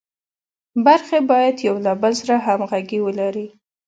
برخې باید یو له بل سره همغږي ولري.